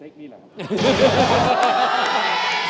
เซ็กนี่แหละครับ